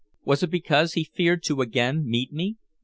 Was it because he feared to again meet me?